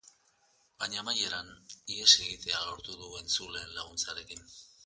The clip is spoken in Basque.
Baina amaieran, ihes egitea lortu du entzuleen laguntzarekin.